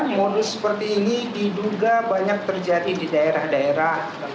modus seperti ini diduga banyak terjadi di daerah daerah